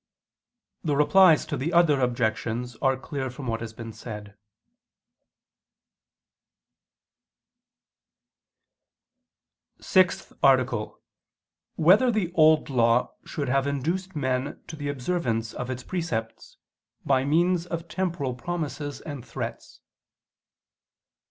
The Replies to the other Objections are clear from what has been said. ________________________ SIXTH ARTICLE [I II, Q. 99, Art. 6] Whether the Old Law Should Have Induced Men to the Observance of Its Precepts, by Means of Temporal Promises and Threats?